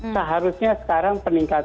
seharusnya sekarang peningkatan